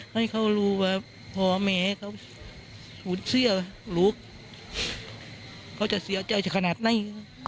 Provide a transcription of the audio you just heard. ให้เขารู้ว่าพ่อแม่เขาขูดเสื้อลูกเขาจะเสียใจขนาดไหน